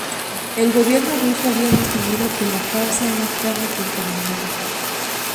El gobierno ruso había sostenido que la causa era carne contaminada.